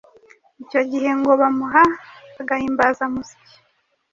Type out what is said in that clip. Icyo gihe ngo bamuha agahimazamusyi